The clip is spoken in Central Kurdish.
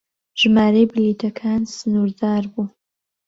ژمارەی بلیتەکان سنوردار بوو.